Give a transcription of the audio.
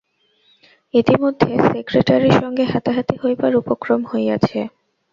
ইতিমধ্যে সেক্রেটারির সঙ্গে হাতাহাতি হইবার উপক্রম হইয়াছে।